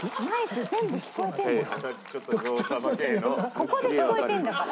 ここで聞こえてるんだから。